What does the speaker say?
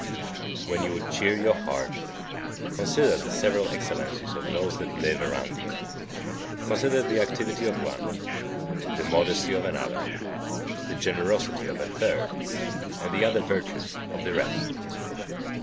48. When you would cheer your heart, consider the several excellencies of those that live around you. Consider the activity of one, the modesty of another, the generosity of a third, and the other virtues of the rest.